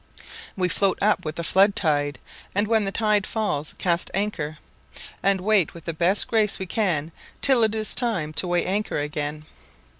We float up with the flood tide, and when the tide fails cast anchor, and wait with the best grace we can till it is time to weigh anchor again.